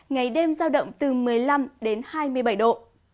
ngày đêm giao động từ một mươi năm đến hai mươi bảy độ